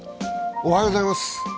おはようございます。